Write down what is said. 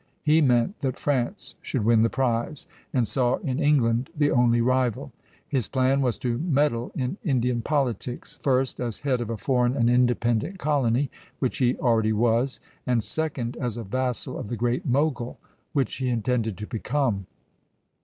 He meant that France should win the prize, and saw in England the only rival. His plan was to meddle in Indian politics: first, as head of a foreign and independent colony, which he already was; and second, as a vassal of the Great Mogul, which he intended to become.